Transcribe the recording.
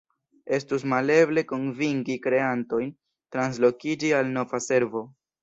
Estus maleble konvinki kreantojn translokiĝi al nova servo.